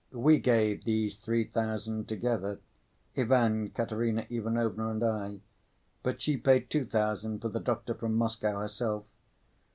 "We gave these three thousand together—Ivan, Katerina Ivanovna and I—but she paid two thousand for the doctor from Moscow herself.